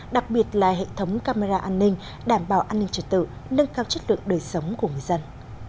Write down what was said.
đặc biệt là hệ thống camera an ninh đảm bảo an ninh trật tự nâng cao chất lượng đời sống của người dân